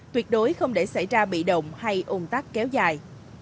tuyệt đối không để xảy ra bị động hay ồn tắc kéo dài